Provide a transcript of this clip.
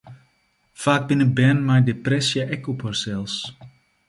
Faak binne bern mei depresje ek op harsels.